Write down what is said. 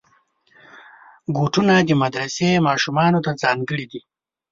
بوټونه د مدرسې ماشومانو ته ځانګړي دي.